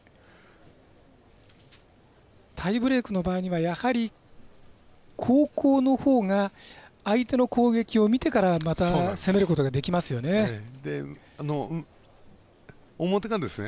タイブレークの場合にはやはり後攻のほうが相手の攻撃を見てからまた攻めることができますよね。